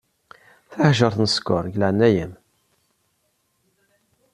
Taḥjurt n sskeṛ, deg leɛnaya-m.